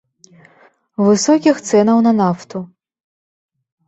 Высокіх цэнаў на нафту.